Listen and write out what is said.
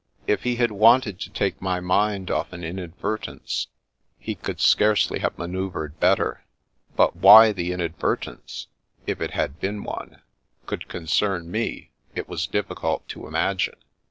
If he had wanted to take my mind off an inad vertence, he could scarcely have manoeuvred better, but why the inadvertence (if it had been one) could concern me, it was difficult to imagine.